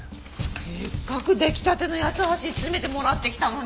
せっかく出来たての八ッ橋詰めてもらってきたのに。